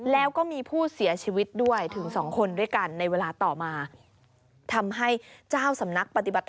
แล้วก็มีผู้เสียชีวิตด้วยถึงสองคนด้วยกันในเวลาต่อมา